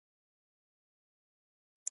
پیاوړی باور غرونه خوځولی شي.